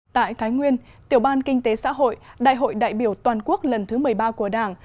tại thái nguyên tiểu ban kinh tế xã hội đại hội đại biểu toàn quốc lần thứ một mươi ba của đảng